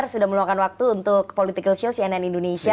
sudah meluangkan waktu untuk political show cnn indonesia